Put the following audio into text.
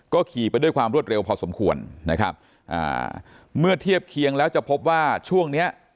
ก็ขี่ไปด้วยความรวดเร็วพอสมควรนะครับอ่าเมื่อเทียบเคียงแล้วจะพบว่าช่วงเนี้ย